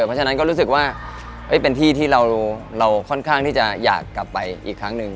เพราะฉะนั้นก็รู้สึกว่าเป็นที่ที่เราค่อนข้างที่จะอยากกลับไปอีกครั้งหนึ่ง